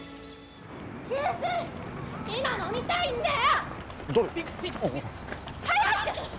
給水、今、飲みたいんだよ。